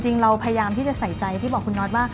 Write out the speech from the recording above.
จริงเราพยายามที่จะใส่ใจที่บอกคุณน็อตว่า